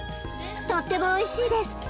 とってもおいしいです。